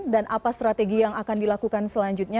dan apa strategi yang akan dilakukan selanjutnya